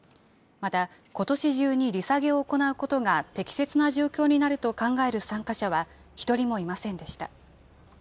また、ことし中に利下げを行うことが適切な状況になると考える参加者は一人もいませんでした。